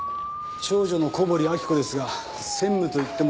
長女の小堀明子ですが専務といっても名ばかり。